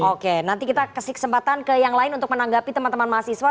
oke nanti kita kasih kesempatan ke yang lain untuk menanggapi teman teman mahasiswa